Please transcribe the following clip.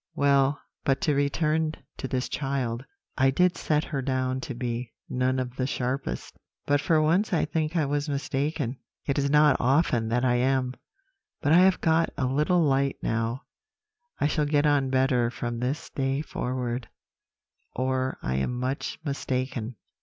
Well, but to return to this child. I did set her down to be none of the sharpest; but for once I think I was mistaken. It is not often that I am; but I have got a little light now; I shall get on better from this day forward, or I am much mistaken.'